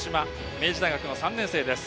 明治大学の３年生です。